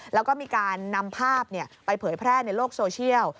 แล้วก็มีการนำภาพไปเผยแพร่ในโลกโซเชียล